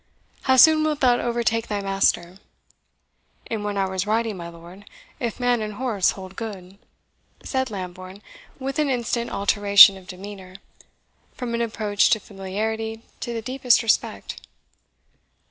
How soon wilt thou overtake thy master?" "In one hour's riding, my lord, if man and horse hold good," said Lambourne, with an instant alteration of demeanour, from an approach to familiarity to the deepest respect.